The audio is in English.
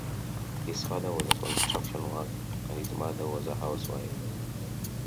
His father was a construction worker and his mother was a housewife.